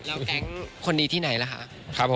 แล้วแก๊งคนนี้ที่ไหนล่ะคะ